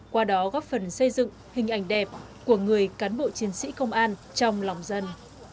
qua đó góp phần xây dựng hình ảnh đẹp của người cán bộ chiến sĩ công an trong lòng dân